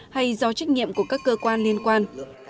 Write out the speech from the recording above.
hay do trách nhiệm của các cơ quan liên quan